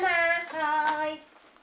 はい。